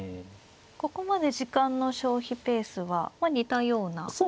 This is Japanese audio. ここまで時間の消費ペースは似たような感じですね。